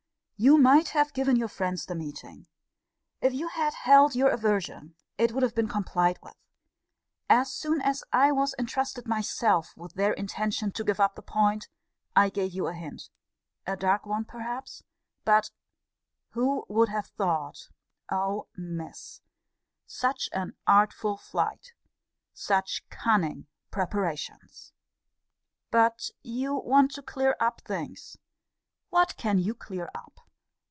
You might have given your friends the meeting. If you had held your aversion, it would have been complied with. As soon as I was intrusted myself with their intention to give up the point, I gave you a hint a dark one perhaps* but who would have thought O Miss! Such an artful flight! Such cunning preparations! But you want to clear up things what can you clear up?